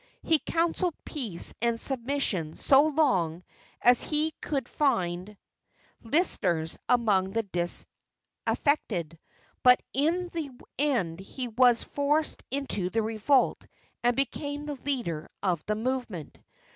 He counseled peace and submission so long as he could find listeners among the disaffected, but in the end he was forced into the revolt and became the leader of the movement.